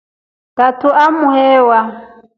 Tatu aa mwehewa.